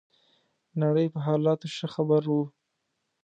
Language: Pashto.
نړۍ په حالاتو ښه خبر وو.